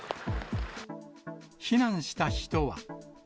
避難した人は。